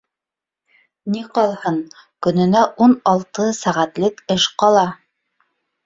— Ни ҡалһын, көнөнә ун алты сәғәтлек эш ҡала.